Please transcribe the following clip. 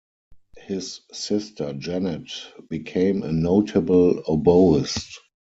His sister Janet became a notable oboist.